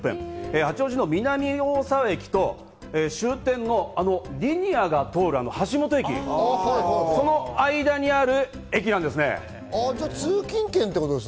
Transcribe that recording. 八王子の南大沢駅と終点のあのリニアが通る橋本駅、その間にある。